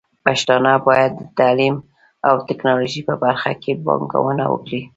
پښتانه بايد د تعليم او ټکنالوژۍ په برخه کې پانګونه وکړي.